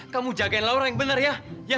kamu jagain laura yang bener ya